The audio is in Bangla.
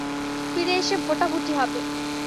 ফিরে এসে ভোটাভুটি হবে।